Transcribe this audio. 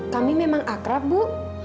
kami memang akrab bu